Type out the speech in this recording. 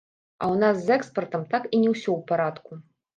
А ў нас з экспартам і так не ўсё ў парадку.